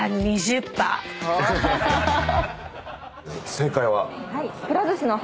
正解は？